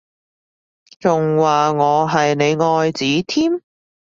仲話我係你愛子添？